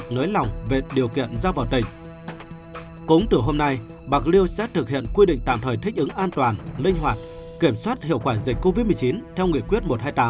cũng từ hôm nay bạc liêu sẽ thực hiện quy định tạm thời thích ứng an toàn linh hoạt kiểm soát hiệu quả dịch covid một mươi chín theo nguyện quyết một trăm hai mươi tám